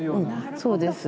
そうです。